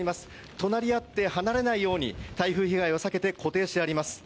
隣り合って離れないように台風被害を避けて固定してあります。